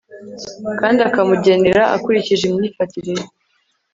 kandi akamugenera akurikije imyifatire ye